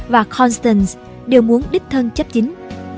và constans đều muốn đích thân chấp chính